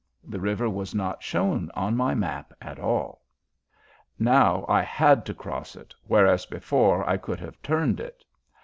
The river was not shown on my map at all. Now I had to cross it, whereas before I could have turned it.